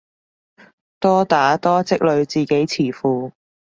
多打多積累自己詞庫